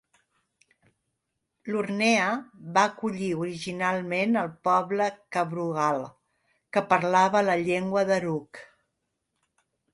Lurnea va acollir originalment el poble Cabrogal que parlava la llengua Darug.